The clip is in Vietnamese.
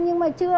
nhưng mà chưa